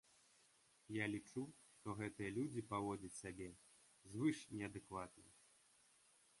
Я лічу, што гэтыя людзі паводзяць сябе звышнеадэкватна.